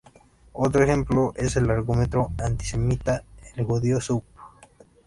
Otro ejemplo es el largometraje antisemita "El judío Süß".